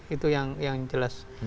itu yang jelas